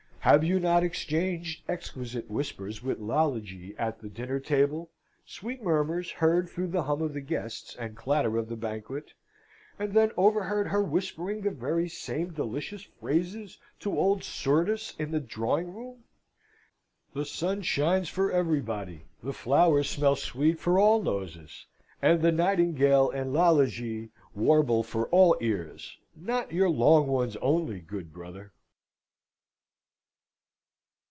Have you not exchanged exquisite whispers with Lalage at the dinner table (sweet murmurs heard through the hum of the guests, and clatter of the banquet!) and then overheard her whispering the very same delicious phrases to old Surdus in the drawing room? The sun shines for everybody; the flowers smell sweet for all noses; and the nightingale and Lalage warble for all ears not your long ones only, good Brother!